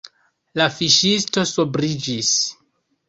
La fiŝisto sobriĝis.